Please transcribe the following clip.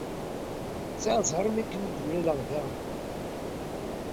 Sɛiɣ zzheṛ imi i kem-id-mlaleɣ da.